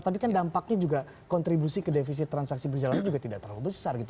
tapi kan dampaknya juga kontribusi ke defisit transaksi berjalannya juga tidak terlalu besar gitu